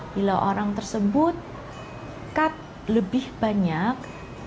bila orang tersebut cut lebih banyak